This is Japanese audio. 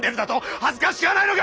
恥ずかしくはないのか！